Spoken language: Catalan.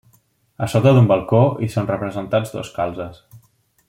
A sota d'un balcó hi són representats dos calzes.